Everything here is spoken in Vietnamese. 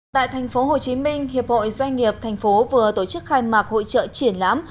tại thành phố hồ chí minh hiệp hội doanh nghiệp thành phố vừa tổ chức khai mạc hội trợ triển lãm